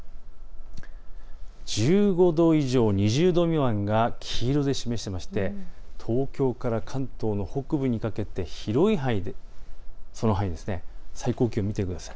１５度以上、２０度未満が黄色で示していまして東京から関東の北部にかけて広い範囲で雨、最高気温を見てください。